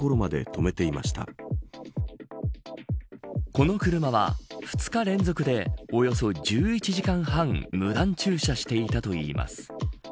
この車は、２日連続でおよそ１１時間半無断駐車していたといいます。